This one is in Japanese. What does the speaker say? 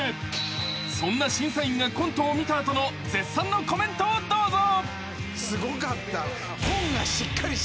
［そんな審査員がコントを見た後の絶賛のコメントをどうぞ］